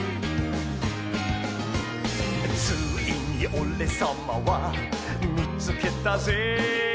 「ついにおれさまはみつけたぜ」